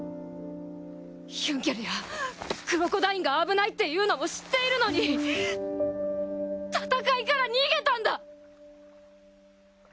ヒュンケルやクロコダインが危ないっていうのも知っているのに戦いから逃げたんだ！